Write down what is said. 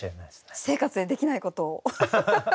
私生活でできないことを。